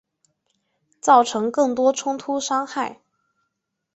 造成更多冲突伤害